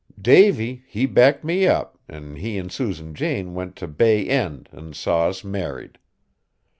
Davy, he backed me up, an' he an' Susan Jane went t' Bay End an' saw us married.